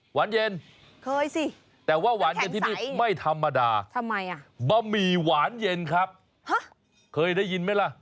หวานเย็นเคยสิแต่ว่าหวานเย็นที่นี่ไม่ธรรมดาทำไมอ่ะบะหมี่หวานเย็นครับเคยได้ยินไหมล่ะ